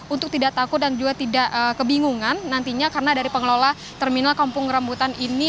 untuk tidak takut dan juga tidak kebingungan nantinya karena dari pengelola terminal kampung rambutan ini